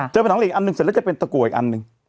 เจอผนังเหล็กอีกอันนึงเสร็จแล้วจะเป็นตะกัวอีกอันนึง